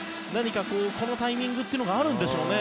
このタイミングというのがあるんでしょうね